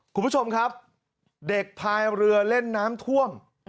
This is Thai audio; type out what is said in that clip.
คุณผู้ชมครับเด็กพายเรือเล่นน้ำท่วม